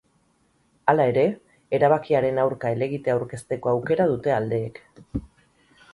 Hala ere, erabakiaren aurka helegitea aurkezteko aukera dute aldeek.